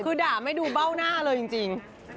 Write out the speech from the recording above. คือด่าไม่ดูเบ้าหน้าเลยจริง